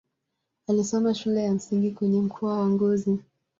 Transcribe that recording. Alisoma shule ya msingi kwenye mkoa wa Ngozi.